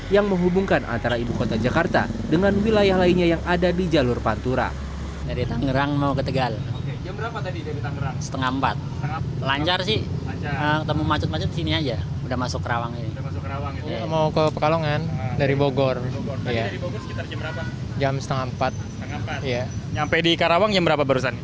yang menghubungkan antara ibu kota jakarta dengan wilayah lainnya yang ada di jalur pantura